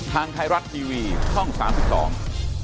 ทางไทยรัฐทีวีช่องสามสิบสอง